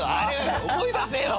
思い出せよ！」